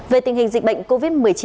về tình hình dịch bệnh covid một mươi chín